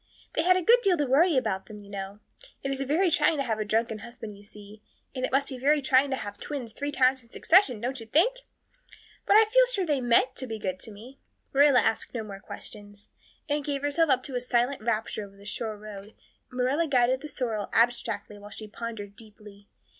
They had a good deal to worry them, you know. It's a very trying to have a drunken husband, you see; and it must be very trying to have twins three times in succession, don't you think? But I feel sure they meant to be good to me." Marilla asked no more questions. Anne gave herself up to a silent rapture over the shore road and Marilla guided the sorrel abstractedly while she pondered deeply.